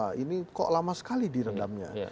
karena ini sudah sekali direndamnya